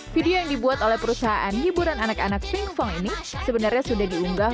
video yang dibuat oleh perusahaan hiburan anak anak streamfone ini sebenarnya sudah diunggah